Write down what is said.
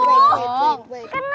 eh tunggu tunggu tunggu